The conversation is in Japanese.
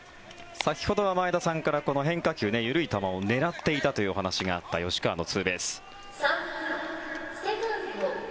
先ほどは前田さんから、変化球緩い球を狙っていたという話があった吉川のツーベース。